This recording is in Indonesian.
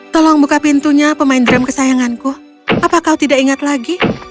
tolong buka pintunya pemain drum kesayanganku apa kau tidak ingat lagi